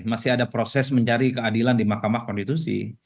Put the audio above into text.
masih ada proses mencari keadilan di mahkamah konstitusi